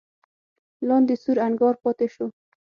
لاندې سور انګار پاتې شو.